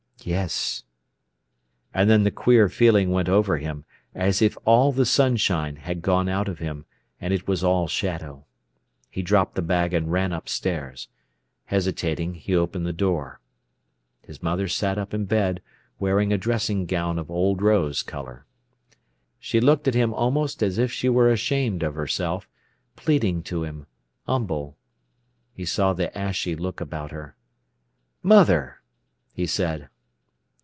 "Yes." And then the queer feeling went over him, as if all the sunshine had gone out of him, and it was all shadow. He dropped the bag and ran upstairs. Hesitating, he opened the door. His mother sat up in bed, wearing a dressing gown of old rose colour. She looked at him almost as if she were ashamed of herself, pleading to him, humble. He saw the ashy look about her. "Mother!" he said.